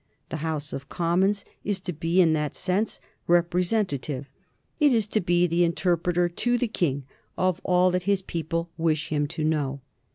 The House of Commons is to be in that sense representative; it is to be the interpreter to the King of all that his people wish him to know.